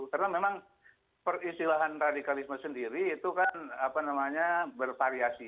karena memang peristilahan radikalisme sendiri itu kan apa namanya bervariasi